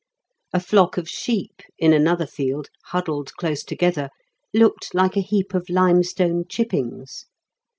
A flock of sheep in another field, huddled close together, looked like a heap of limestone chippings.